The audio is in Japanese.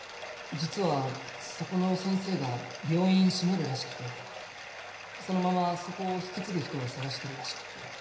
実はそこの先生が病院閉めるらしくてそのままそこを引き継ぐ人を探してるらしくって。